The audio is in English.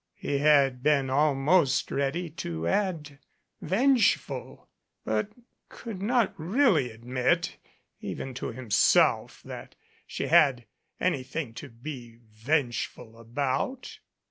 He had been almost ready to add "venge ful," but could not really admit, even to himself, that she had anything to be vengeful about.